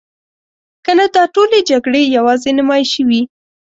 کنه دا ټولې جګړې یوازې نمایشي وي.